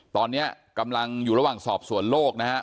ตอนนี้กำลังอยู่ระหว่างสอบสวนโลกนะฮะ